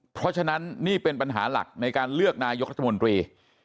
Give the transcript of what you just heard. เพราะฉะนั้นนี่เป็นปัญหาหลักในการเลือกนายกรัฐมนตรี